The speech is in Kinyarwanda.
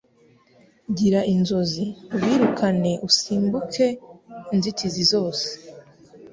Gira inzozi, ubirukane, usimbuke inzitizi zose,